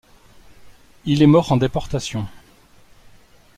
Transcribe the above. Il est mort en déportation.